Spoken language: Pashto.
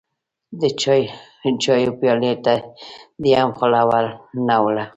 د چايو پيالې ته دې هم خوله ور نه وړه.